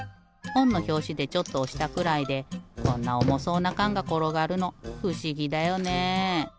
ほんのひょうしでちょっとおしたくらいでこんなおもそうなかんがころがるのふしぎだよね？